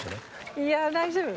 いや大丈夫。